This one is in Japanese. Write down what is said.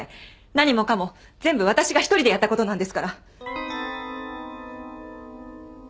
何もかも全部私が１人でやった事なんですから。